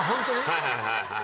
はいはいはいはい。